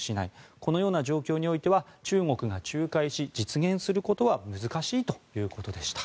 このような状況においては中国が仲介し実現することは難しいということでした。